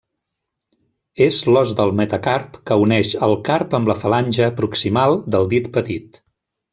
És l'os del metacarp que uneix el carp amb la falange proximal del dit petit.